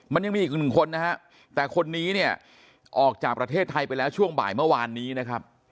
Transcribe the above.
มันยังมีอีกหนึ่งคนนะฮะแต่คนนี้เนี่ยออกจากประเทศไทยไปแล้วช่วงบ่ายเมื่อวานนี้นะครับ